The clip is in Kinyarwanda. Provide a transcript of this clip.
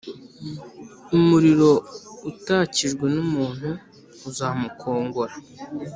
umuriro utakijwe n’umuntu uzamukongora,